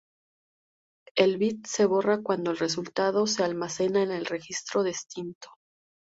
El bit se borra cuando el resultado se almacena en el registro destino.